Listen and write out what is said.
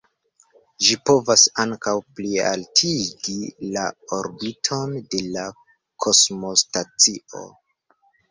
Ĝi povas ankaŭ plialtigi la orbiton de la kosmostacio.